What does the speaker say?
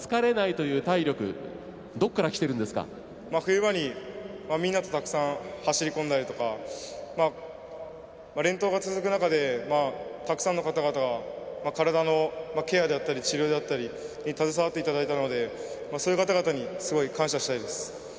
冬場にみんなとたくさん走りこんだりとか連投が続く中でたくさんの方々が体のケアであったり治療に携わっていただいたのでそういう方々にすごい感謝したいです。